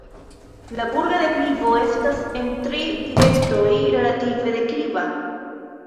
La burga deklivo estas en tri direktoj relative dekliva.